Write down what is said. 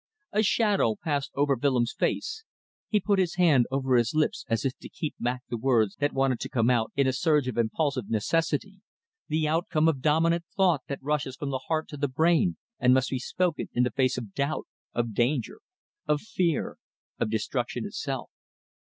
A shadow passed over Willems' face. He put his hand over his lips as if to keep back the words that wanted to come out in a surge of impulsive necessity, the outcome of dominant thought that rushes from the heart to the brain and must be spoken in the face of doubt, of danger, of fear, of destruction itself.